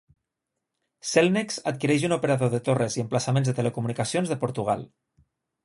Cellnex adquireix un operador de torres i emplaçaments de telecomunicacions de Portugal.